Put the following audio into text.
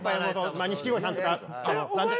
錦鯉さんとか。